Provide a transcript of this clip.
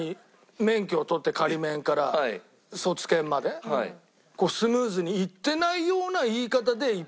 免許を取って仮免から卒検までこうスムーズにいってないような言い方で「一発で合格」。